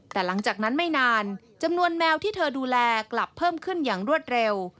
แต่หลังจากนั้นไม่นานจำนวนแมวที่เธอดูแลกลับเพิ่มขึ้นอย่างรวดเร็ว